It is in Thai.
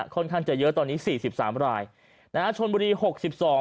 ค่อนข้างจะเยอะตอนนี้สี่สิบสามรายนะฮะชนบุรีหกสิบสอง